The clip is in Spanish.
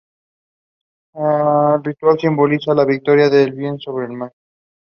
El ritual simboliza la victoria del bien sobre el mal.